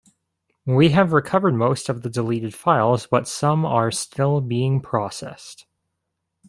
We have recovered most of the deleted files, but some are still being processed.